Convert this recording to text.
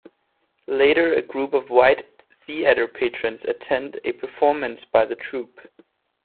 Later, a group of white theater patrons attend a performance by the troupe.